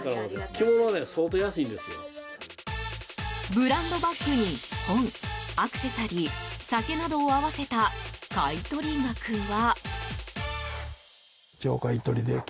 ブランドバッグに本、アクセサリー、酒などを合わせた買い取り額は。